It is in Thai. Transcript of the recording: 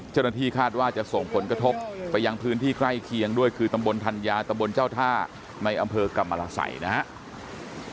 เจ้าหน้าที่คาดว่าจะส่งผลกระทบไปยังพื้นที่ใกล้เคียงด้วยคือตำบลธัญญาตำบลเจ้าท่าในอำเภอกรรมรสัยนะครับ